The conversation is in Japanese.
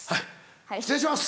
はい失礼します！